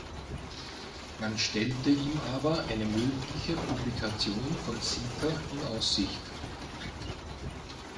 Man stellte ihm aber eine mögliche Publikation von "Sita" in Aussicht.